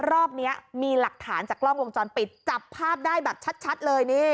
รอบนี้มีหลักฐานจากกล้องวงจรปิดจับภาพได้แบบชัดเลยนี่